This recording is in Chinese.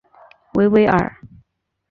维维尔。